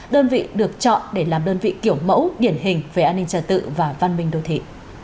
đơn vị được chọn để làm đơn vị kiểu mẫu điển hình về an ninh trật tự và văn minh đô thị